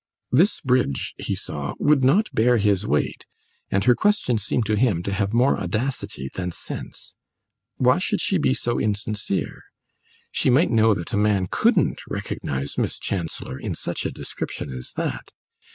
This bridge, he saw, would not bear his weight, and her question seemed to him to have more audacity than sense. Why should she be so insincere? She might know that a man couldn't recognise Miss Chancellor in such a description as that.